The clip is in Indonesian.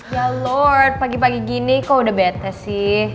ya loard pagi pagi gini kok udah betes sih